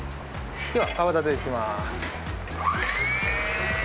では泡立てていきます。